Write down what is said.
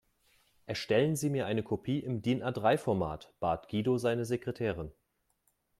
"Erstellen Sie mir eine Kopie im DIN-A-drei Format", bat Guido seine Sekretärin.